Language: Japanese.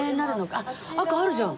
あっ赤あるじゃん。